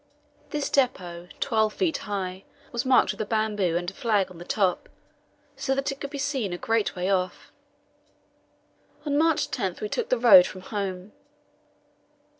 This depot 12 feet high was marked with a bamboo and a flag on the top, so that it could be seen a great way off. On March 10 we took the road for home.